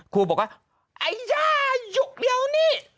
ครูบอกว่าอัยย่าหยุดเดี๋ยวนี้